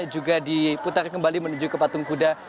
juga diputar kembali menuju ke patung kuda